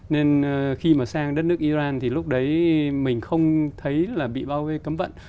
nên khi mà sang đất nước iran thì lúc đấy mình không thấy là bị bao vây cấm vận